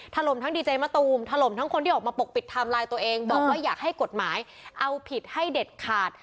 ถล่มทั้งดีเจมะตูมถล่มทั้งคนที่ออกมาปกปิดไทม์ไลน์ตัวเองบอกว่าอยากให้กฎหมายเอาผิดให้เด็ดขาด